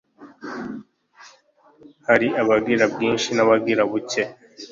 hari abagira bwinshi n'abagira bucye,